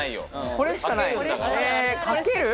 これしかない？